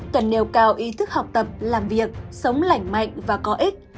cần nêu cao ý thức học tập làm việc sống lành mạnh và có ích